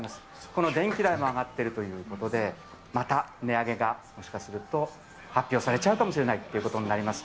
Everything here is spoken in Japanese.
この電気代も上がっているということで、また値上げがもしかすると発表されちゃうかもしれないということになります。